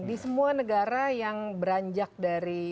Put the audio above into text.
di semua negara yang beranjak dari